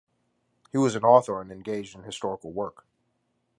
He was an author and engaged in historical work.